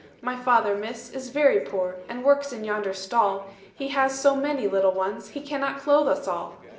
"'My father, Miss, is very poor, And works in yonder stall; He has so many little ones, He cannot clothe us all.